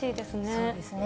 そうですね。